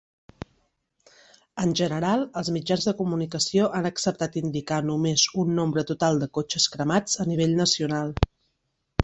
En general, els mitjans de comunicació han acceptat indicar només un nombre total de cotxes cremats a nivell nacional.